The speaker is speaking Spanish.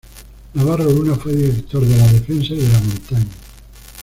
Navarro Luna fue director de "La Defensa" y de "La Montaña".